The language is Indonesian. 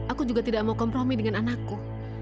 aku juga tidak mau kompromi dengan anakku